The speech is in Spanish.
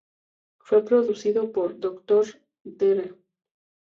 Fue producido por Dr. Dre.